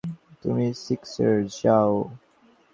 তুমি সিক্সের যাও!